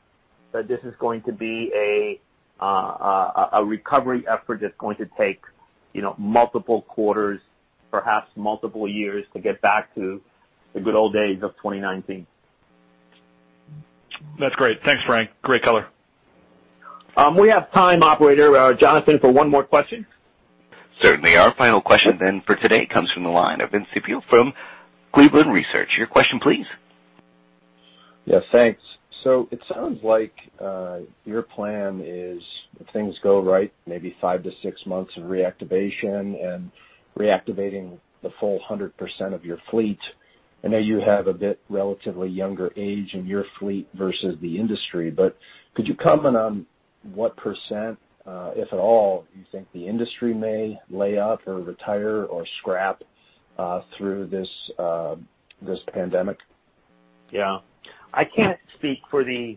this is going to be a recovery effort that's going to take multiple quarters, perhaps multiple years, to get back to the good old days of 2019. That's great. Thanks, Frank. Great color. We have time, operator Jonathan, for one more question. Certainly. Our final question then for today comes from the line of Vince Ciepiel from Cleveland Research. Your question, please. Yeah, thanks. It sounds like your plan is, if things go right, maybe five to six months of reactivation and reactivating the full 100% of your fleet. I know you have a bit relatively younger age in your fleet versus the industry, but could you comment on what %, if at all, you think the industry may lay up or retire or scrap through this pandemic? I can't speak for the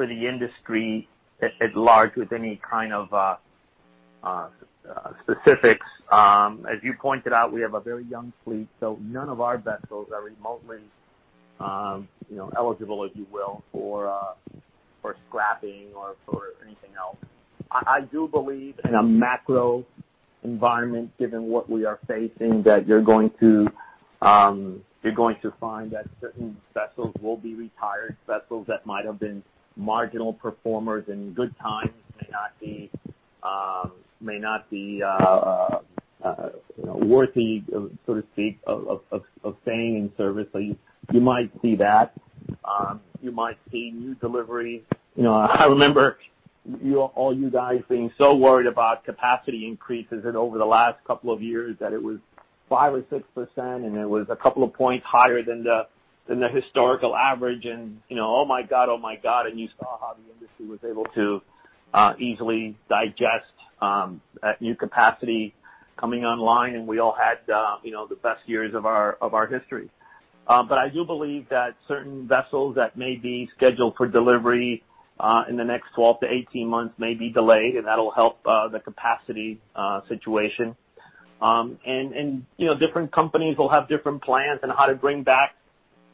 industry at large with any kind of specifics. As you pointed out, we have a very young fleet, so none of our vessels are remotely eligible, if you will, for scrapping or for anything else. I do believe in a macro environment, given what we are facing, that you're going to find that certain vessels will be retired, vessels that might have been marginal performers in good times may not be worthy, so to speak, of staying in service. You might see that. You might see new delivery. I remember all you guys being so worried about capacity increases and over the last couple of years that it was 5% or 6% and it was a couple of points higher than the historical average and, "Oh my God," you saw how the industry was able to easily digest that new capacity coming online, we all had the best years of our history. I do believe that certain vessels that may be scheduled for delivery in the next 12 to 18 months may be delayed, and that'll help the capacity situation. Different companies will have different plans on how to bring back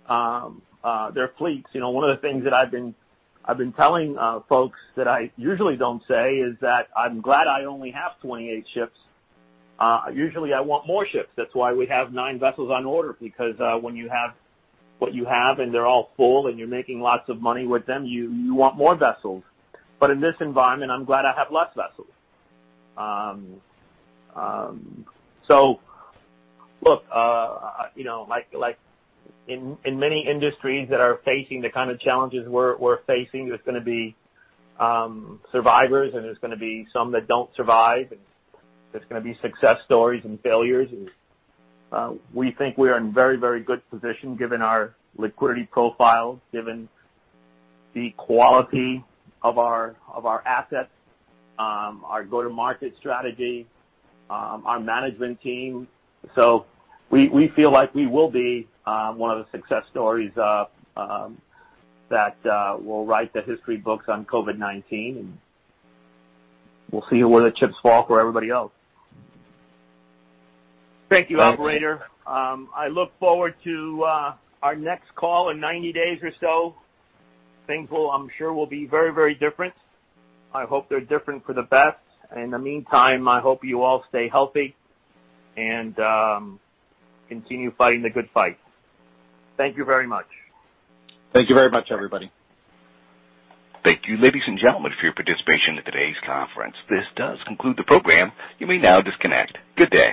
their fleets. One of the things that I've been telling folks that I usually don't say is that I'm glad I only have 28 ships. Usually, I want more ships. That's why we have 9 vessels on order, because when you have what you have and they're all full and you're making lots of money with them, you want more vessels. In this environment, I'm glad I have less vessels. Look, like in many industries that are facing the kind of challenges we're facing, there's going to be survivors and there's going to be some that don't survive, and there's going to be success stories and failures. We think we are in very good position given our liquidity profile, given the quality of our assets, our go-to-market strategy, our management team. We feel like we will be one of the success stories that will write the history books on COVID-19. And we'll see where the chips fall for everybody else. Thank you, operator. I look forward to our next call in 90 days or so. Things, I'm sure, will be very different. I hope they're different for the best. In the meantime, I hope you all stay healthy and continue fighting the good fight. Thank you very much. Thank you very much, everybody. Thank you, ladies and gentlemen, for your participation in today's conference. This does conclude the program. You may now disconnect. Good day.